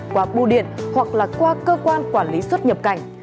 qua bưu điện hoặc là qua cơ quan quản lý xuất nhập cảnh